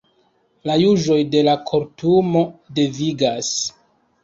La juĝoj de la Kortumo devigas.